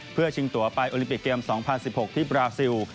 เพื่อชิงตัวไปโอลิมปิกเกม๒๐๑๖ที่บราซิล